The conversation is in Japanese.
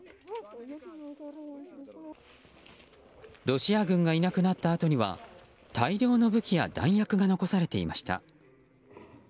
ロシア軍がいなくなったあとには大量の武器や弾薬が残されていました。